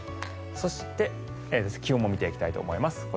そして、気温も見ていきたいと思います。